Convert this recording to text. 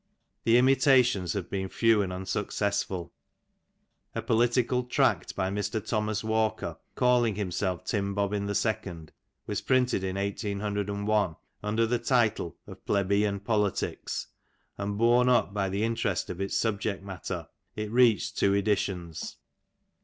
The imitations haye been few and unsucoessfuL A political tract by Mr. Thomas Walker, calling himself Tim Bobbin the seoond, was printed in 1801, imder the title of Ple^ beian Polities, and borne up by the interest of its subject matter, it reached two editions.